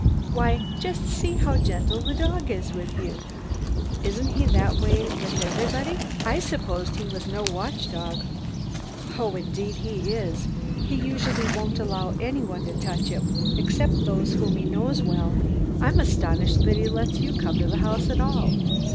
Why, just see how gentle the dog is with you!" "Isn't he that way with everybody? I supposed he was no watchdog." "Oh, indeed he is. He usually won't allow anybody to touch him, except those whom he knows well. I'm astonished that he lets you come to the house at all."